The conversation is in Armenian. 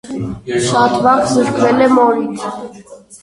Շատ վաղ զրկվել է մորից։